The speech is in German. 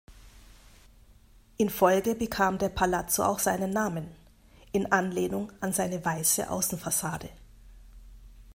In Folge bekam der Palazzo auch seinen Namen, in Anlehnung an seine weiße Außenfassade.